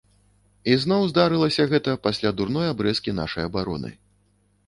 І зноў здарылася гэта пасля дурной абрэзкі нашай абароны.